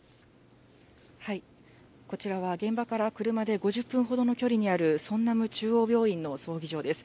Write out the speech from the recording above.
こちらは現場から車で５０分ほどの距離にある、ソンナム中央病院の葬儀場です。